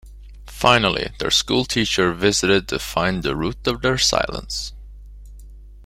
Finally, their schoolteacher visits to find the root of their silence.